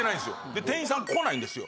で店員さん来ないんですよ。